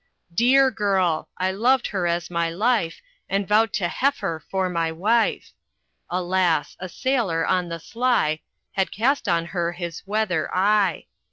Deer girl! I loved her as my life, And vowed to heifer for my wife. Alas! A sailor on the sly, Had cast on her his wether eye.